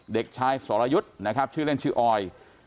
เด็กชายสรยุทธ์นะครับชื่อเล่นชื่อออย